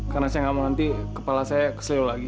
karena saya gak mau nanti kepala saya keseluruh lagi